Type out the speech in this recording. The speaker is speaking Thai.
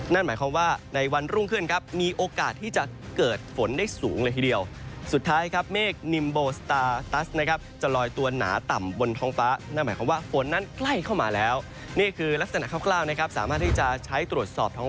นั่นหมายความว่าในวันรุ่งขึ้นครับมีโอกาสที่จะเกิดฝนได้สูงเลยทีเดียว